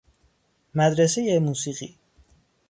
مدرسۀ موسیقی